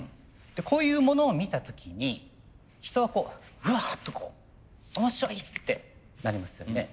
こういうものを見た時に人はこう「うわ！」とこう「面白い！」ってなりますよね。